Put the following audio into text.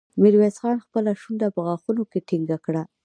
ميرويس خان خپله شونډه په غاښونو کې ټينګه کړه.